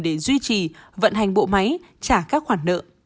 để duy trì vận hành bộ máy trả các khoản nợ